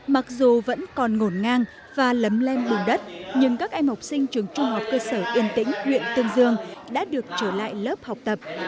mặc dù vẫn còn ngổn ngang và lấm lên bùn đất nhưng các em học sinh trường trung học cơ sở yên tĩnh huyện tương dương đã được trở lại lớp học tập